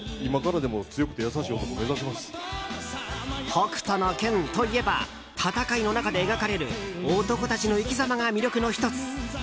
「北斗の拳」といえば戦いの中で描かれる漢たちの生きざまが魅力の１つ。